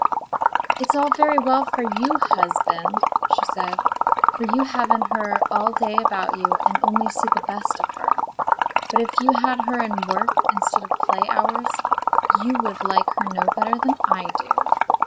"It is all very well for you, husband," she said, "for you haven't her all day about you, and only see the best of her. But if you had her in work instead of play hours, you would like her no better than I do.